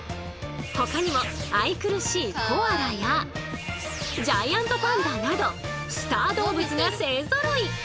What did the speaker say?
ほかにも愛くるしいコアラやジャイアントパンダなどスター動物が勢ぞろい！